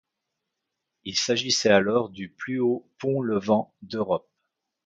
Il s’agissait alors du plus haut pont levant d’Europe.